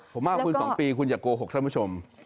ผมว่าคุณ๒ปีคุณอย่าโกหกท่านผู้ชม